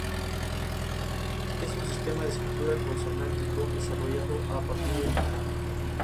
Los tapones clásicos de ignición planteaban un riesgo demasiado alto de un mal funcionamiento.